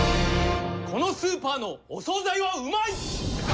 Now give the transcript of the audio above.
このスーパーのお総菜はうまい！